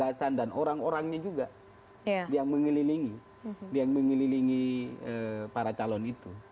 gagasan dan orang orangnya juga yang mengelilingi para calon itu